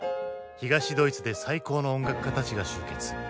東ドイツで最高の音楽家たちが集結。